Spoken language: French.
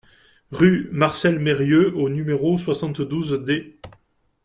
Rue Marcel Merieux au numéro soixante-douze D